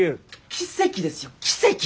奇跡ですよ奇跡！